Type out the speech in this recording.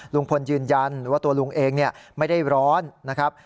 ลุงพลยืนยันว่าตัวลุงเองไม่ได้ร้อนนะครับ